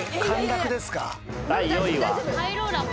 第４位は。